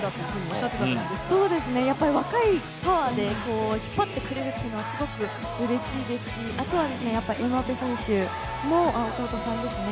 若いパワーで引っ張ってくれるというのがすごくうれしいですし、あとはエムバペ選手の弟さんですね。